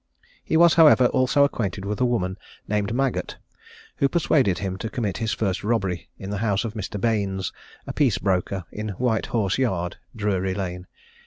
He was, however, also acquainted with a woman named Maggott, who persuaded him to commit his first robbery in the house of Mr. Bains, a piece broker, in White Horse Yard, Drury Lane.